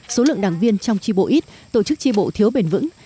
số lượng đảng viên trong chi bộ ít tổ chức chi bộ thiếu bền vững